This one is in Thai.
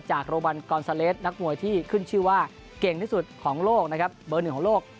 โรบันกอนซาเลสนักมวยที่ขึ้นชื่อว่าเก่งที่สุดของโลกนะครับเบอร์หนึ่งของโลก